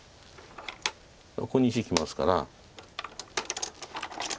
ここに石きますから。